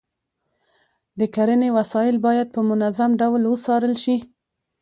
د کرنې وسایل باید په منظم ډول وڅارل شي.